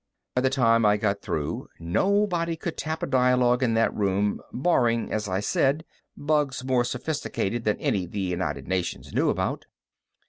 By the time I got through, nobody could tap a dialogue in that room, barring, as I said, bugs more sophisticated than any the United Nations knew about.